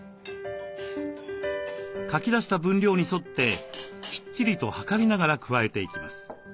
書き出した分量に沿ってきっちりと量りながら加えていきます。